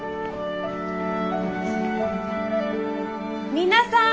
皆さん！